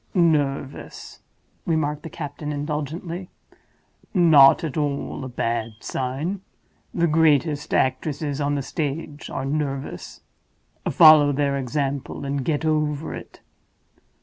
"Nervous," remarked the captain, indulgently. "Not at all a bad sign. The greatest actresses on the stage are nervous. Follow their example, and get over it.